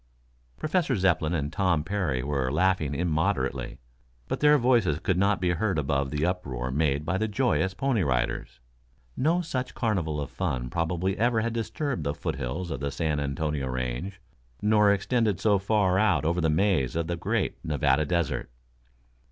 Professor Zepplin and Tom Parry were laughing immoderately, but their voices could not be heard above the uproar made by the joyous Pony Riders. No such carnival of fun probably ever had disturbed the foothills of the San Antonio range, nor extended so far out over the maze of the great Nevada Desert.